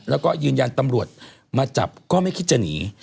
แล้วก็ยืนยันตำรวจมาจับก็ไม่คิดจะหนี